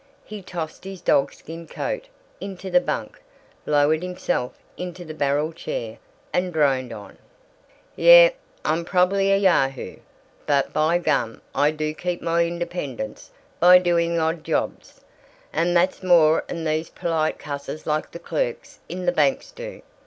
He tossed his dogskin coat into the bunk, lowered himself into the barrel chair, and droned on: "Yeh, I'm probably a yahoo, but by gum I do keep my independence by doing odd jobs, and that's more 'n these polite cusses like the clerks in the banks do.